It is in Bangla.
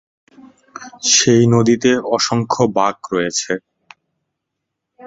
সেই নদীতে অসংখ্য বাঁক রয়েছে।